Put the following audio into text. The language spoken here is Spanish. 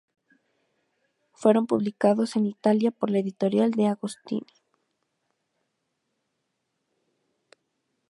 Fueron publicados en Italia por la editorial De Agostini.